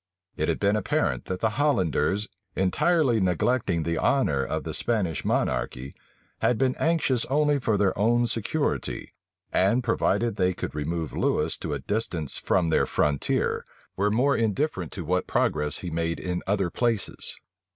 It had been apparent that the Hollanders, entirely neglecting the honor of the Spanish monarchy, had been anxious only for their own security; and, provided they could remove Lewis to a distance from their frontier, were more indifferent what progress he made in other places.